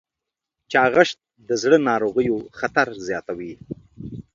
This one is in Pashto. چاغښت د زړه ناروغیو خطر زیاتوي.